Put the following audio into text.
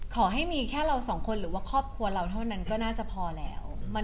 ขอให้มีแค่เราสองคนหรือว่าครอบครัวเราเท่านั้นก็น่าจะพอแล้ว